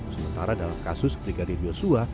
sementara dalam kasus brigadir yosua